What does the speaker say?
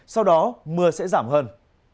sau đó mưa sẽ giảm hơn